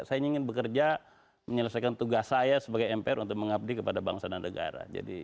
saya ingin bekerja menyelesaikan tugas saya sebagai mpr untuk mengabdi kepada bangsa dan negara